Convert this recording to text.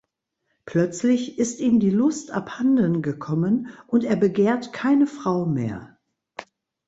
Plötzlich ist ihm die Lust abhandengekommen und er begehrt keine Frau mehr.